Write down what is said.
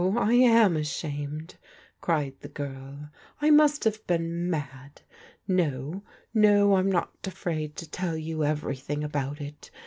I am ashamedl cried die girL " I nrast have been mad. No, no, I'm not afraid to tdl you everythii^ aU^ut it.